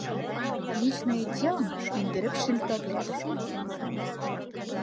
«Личное дело»ңа индереп шелтә бирәбеҙ!